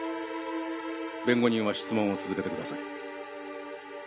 弁護人は質問を続けてください。